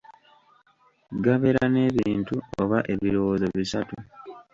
Gabeera ne bintu oba ebirowoozo bisatu.